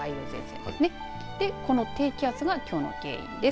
この低気圧がきょうの原因です。